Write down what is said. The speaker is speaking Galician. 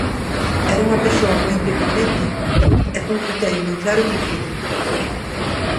Era unha persoa moi independente e cun criterio moi claro e moi firme.